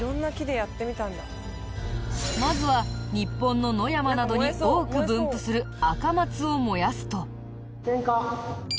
まずは日本の野山などに多く分布するアカマツを燃やすと。